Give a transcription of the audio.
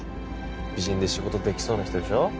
美人で仕事できそうな人でしょ？